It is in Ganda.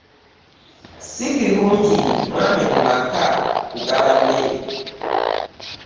Si kirungi mwami mu maka kugaba mmere.